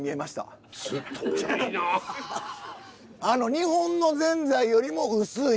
日本のぜんざいよりも薄い。